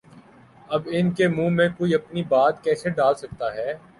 اب ان کے منہ میں کوئی اپنی بات کیسے ڈال سکتا ہے؟